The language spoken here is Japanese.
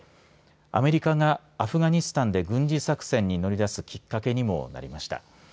アメリカがアフガニスタンで軍事作戦に乗り出すきっかけにもなりました。